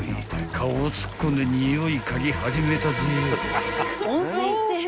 ［顔を突っ込んでにおい嗅ぎ始めたぜよ］